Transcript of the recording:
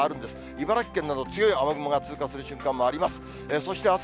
茨城県など、強い雨雲が通過する瞬間もあります。